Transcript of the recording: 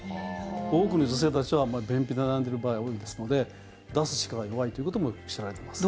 多くの女性たちは便秘で悩んでいる場合が多いですので出す力が弱いということも知られています。